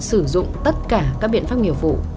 sử dụng tất cả các biện pháp nghiệp vụ